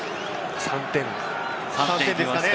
３点ですかね。